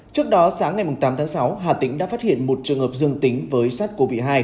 trước đó sáng ngày tám tháng sáu hà tĩnh đã phát hiện một trường hợp dương tính với sars cov hai